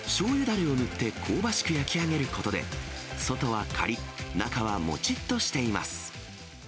だれを塗って、香ばしく焼き上げることで、外はかりっ、中はもちっとしています。